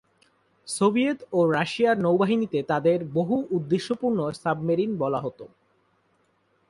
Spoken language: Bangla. সোভিয়েত ও রাশিয়ার নৌবাহিনীতে তাদের "বহু-উদ্দেশ্যপূর্ণ সাবমেরিন" বলা হতো।